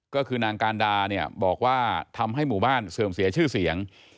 ก็คือนางการดาเนี่ยบอกว่าทำให้หมู่บ้านเสื่อมเสียชื่อเสียง